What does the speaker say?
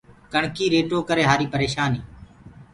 ڪڻڪي ريٽو ڪري هآري پرشآن هينٚ۔